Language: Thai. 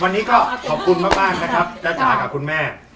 วันนี้ก็ขอบคุณมากนะครับจ้าจ๋ากับคุณแม่